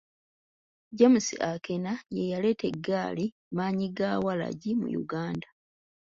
James Akena ye yaleeta egaali maanyigawalagi mu Uganda.